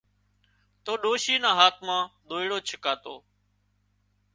تو ڏوشي نا هاٿ مان ۮوئيڙُ ڇڪاتو